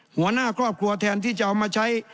หัวหน้าครอบครัวแทนที่จะเอามาใช้